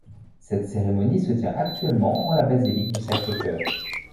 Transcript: Cette cérémonie se tient actuellement en la Basilique du Sacré-Cœur.